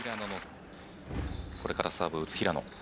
これからサーブを打つ平野。